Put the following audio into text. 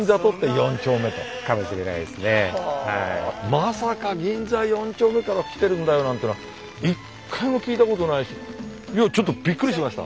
まさか銀座四丁目から来てるんだよなんていうのは一回も聞いたことないしいやちょっとびっくりしました！